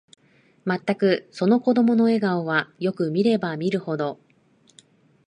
まったく、その子供の笑顔は、よく見れば見るほど、